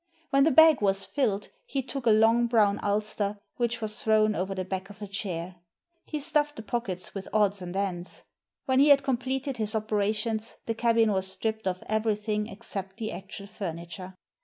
When the bag was filled he took a long brown ulster, which was thrown over the back of a chair. He stuffed the pockets with odds and ends. When he had completed his operations the cabin was stripped of everything ex cept the actual furniture.